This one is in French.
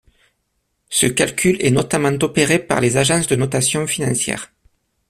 Ce calcul est notamment opéré par les agences de notation financière.